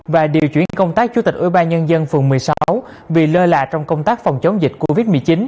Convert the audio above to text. và điều chuyển công tác chủ tịch ủy ba nhân dân phường một mươi sáu vì lơ lạ trong công tác phòng chống dịch covid một mươi chín